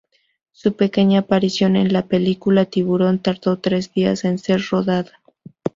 Su pequeña aparición en la película "Tiburón" tardó tres días en ser rodada.